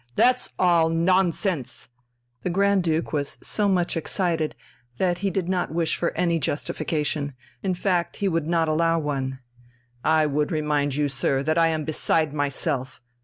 "That's all nonsense!" The Grand Duke was so much excited that he did not wish for any justification, in fact he would not allow one. "I would remind you, sir, that I am beside myself.